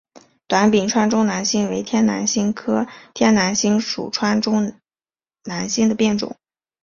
短柄川中南星为天南星科天南星属川中南星的变种。